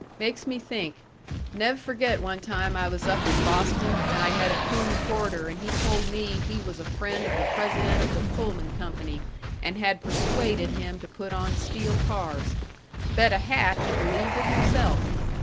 Makes me think Nev' forget one time I was up in Boston and I met a coon porter and he told me he was a friend of the president of the Pullman Company and had persuaded him to put on steel cars. Bet a hat he believed it himself.